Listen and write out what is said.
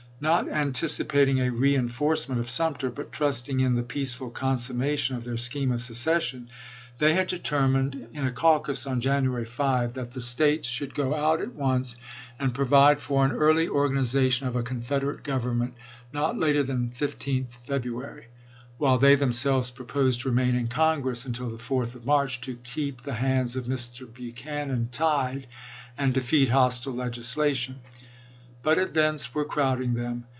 Not anticipating a reenforcement of Sumter, but trusting in the peaceful consummation of their scheme of secession, they had determined, THE SUMTER AND PICKENS TRUCE 155 in a caucus on January 5, " that the States should chap. xi. go out at once and provide for an early organization of a confederate government not later than 15th February," while they themselves proposed to remain in Congress until the 4th of March to " keep the Yuiee to hands of Mr. Buchanan tied," and defeat hostile jKf lsei. legislation. But events were crowding them.